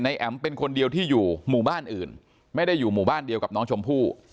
แอ๋มเป็นคนเดียวที่อยู่หมู่บ้านอื่นไม่ได้อยู่หมู่บ้านเดียวกับน้องชมพู่